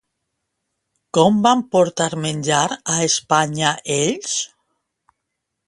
Com van portar menjar a Espanya ells?